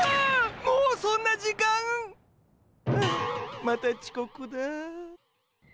もうそんな時間！？はあまたちこくだ。